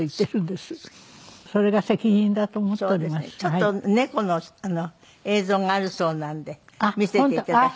ちょっと猫の映像があるそうなんで見せていただきます。